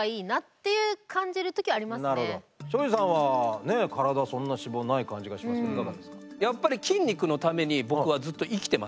庄司さんはねえ体そんな脂肪ない感じがしますがいかがですか？